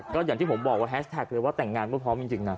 ก็อย่างที่ผมบอกว่าแฮชแท็กเลยว่าแต่งงานไม่พร้อมจริงนะ